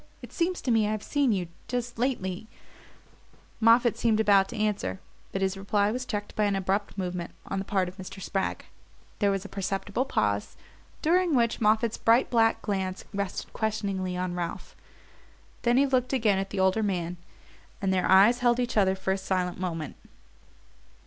It seems to me I've seen you just lately " Moffatt seemed about to answer, but his reply was checked by an abrupt movement on the part of Mr. Spragg. There was a perceptible pause, during which Moffatt's bright black glance rested questioningly on Ralph; then he looked again at the older man, and their eyes held each other for a silent moment.